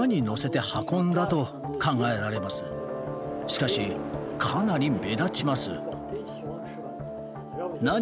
しかしかなり目立ちます。